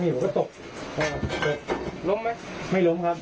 พี่ผมไม่ลุ้มไหมไม่ลุ้มครับ